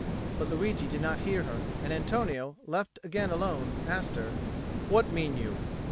But Luigi did not hear her, and Antonio, left again alone, asked her, "What mean you?"